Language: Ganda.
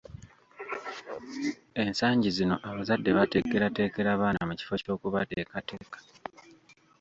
Ensangi zino abazadde bateekerateekera baana mu kifo ky’okubateekateeka.